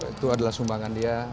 itu adalah sumbangan dia